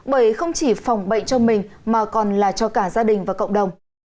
bởi không chỉ phòng bệnh cho mình mà còn là cho cả gia đình và cộng đồng